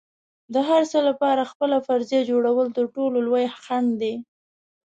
د هر څه لپاره خپله فرضیه جوړول تر ټولو لوی خنډ دی.